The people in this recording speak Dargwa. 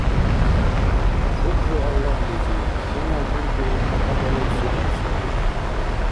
Шукру Аллагьлизи, сенал уркӀи кьакьабарибсиван саби…